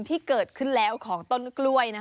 ที่เกิดขึ้นแล้วของต้นกล้วย